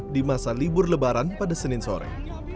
di masa libur lebaran pada senin sore